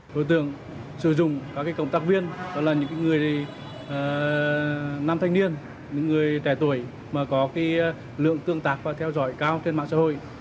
đối tượng sử dụng các công tác viên đó là những người nam thanh niên những người trẻ tuổi mà có lượng tương tác và theo dõi cao trên mạng xã hội